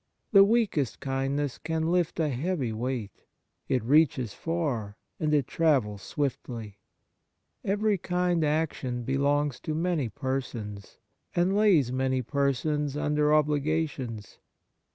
The weakest kindness can lift a heavy weight ; it reaches far, and it travels swiftly. Every kind action belongs to many persons, and lays many persons under obligations.